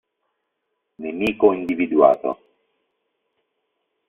Nemico individuato